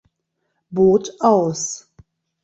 Boot aus.